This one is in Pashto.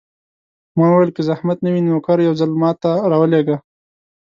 ما وویل: که زحمت نه وي، نوکر یو ځل ما ته راولېږه.